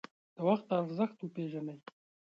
د وخت ارزښت وپیژنئ